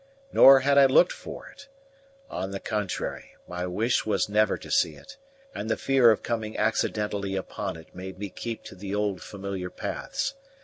Nor had I looked for it. On the contrary, my wish was never to see it, and the fear of coming accidentally upon it made me keep to the old familiar paths.